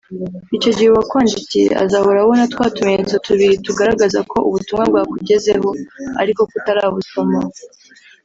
Icyo gihe uwakwandikiye azahora abona twa tumenyetso tubiri √√ tugaragaza ko ubutumwa bwakugezeho ariko ko utarabusoma